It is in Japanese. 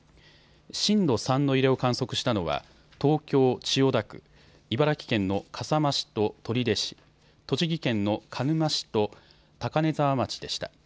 震度３の揺れを観測したのは東京千代田区、茨城県の笠間市と取手市、栃木県の鹿沼市と高根沢町でした。